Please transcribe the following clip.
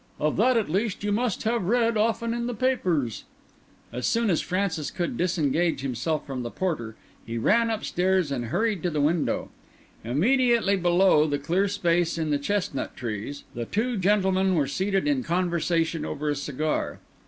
Of that at least you must have read often in the papers." As soon as Francis could disengage himself from the porter he ran upstairs and hurried to the window. Immediately below the clear space in the chestnut leaves, the two gentlemen were seated in conversation over a cigar.